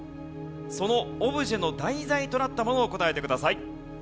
そのオブジェの題材となったものを答えてください。